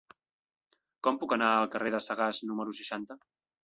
Com puc anar al carrer de Sagàs número seixanta?